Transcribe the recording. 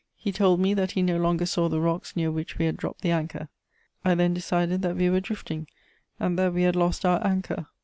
He told me that he no longer saw the rocks near which we had dropped the anchor. I then decided that we were drifting, and that we had lost our anchor.